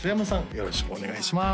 よろしくお願いします